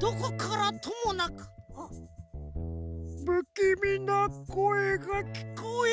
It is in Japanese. どこからともなくぶきみなこえがきこえるっていうのは！